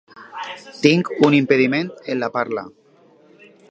Tinc un impediment en la parla.